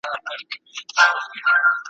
بس دښمن مي د خپل ځان یم ,